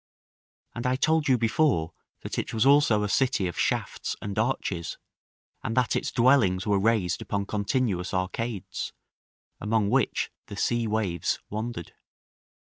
And I told you before that it was also a city of shafts and arches, and that its dwellings were raised upon continuous arcades, among which the sea waves wandered.